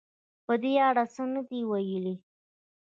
په دې اړه څه نه دې ویلي